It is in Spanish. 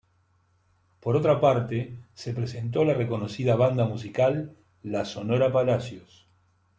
Por otra parte, se presentó la reconocida banda musical "La Sonora Palacios".